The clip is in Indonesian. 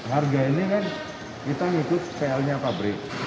harga ini kan kita ngikut cl nya pabrik